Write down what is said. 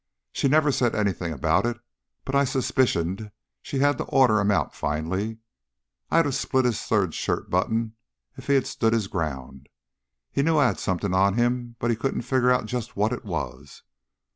"She never said anything about it, but I suspicioned she had to order him out, finally. I'd of split his third shirt button if he'd stood his ground. He knew I had something on him, but he couldn't figure just what it was."